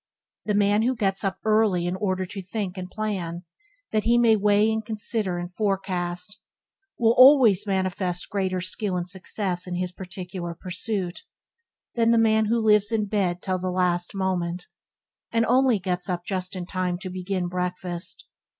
The man who gets up early in order to think and plan, that he may weigh and consider and forecast, will always manifest greater skill and success in his particular pursuit, than the man who lives in bed till the last moment, and only gets up just in time to begin breakfast.